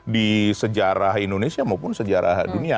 di sejarah indonesia maupun sejarah dunia